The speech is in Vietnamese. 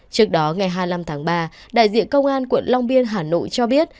trước đó ngày hai mươi năm tháng ba đại diện công an quận long biên hà nội cho biết